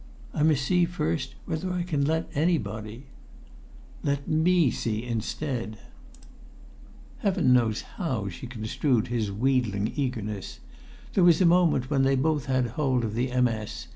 "I must see first whether I can let anybody." "Let me see instead!" Heaven knows how she construed his wheedling eagerness! There was a moment when they both had hold of the MS.